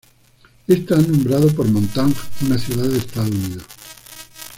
Está nombrado por Montague, una ciudad de Estados Unidos.